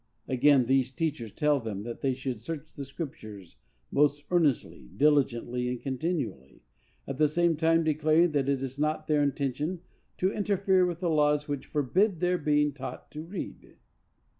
Again, these teachers tell them that they should search the Scriptures most earnestly, diligently and continually, at the same time declaring that it is not their intention to interfere with the laws which forbid their being taught to read.